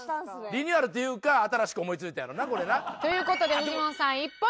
リニューアルっていうか新しく思い付いたんやろうなこれな。という事でフジモンさん１ポイントです。